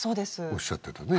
おっしゃってたね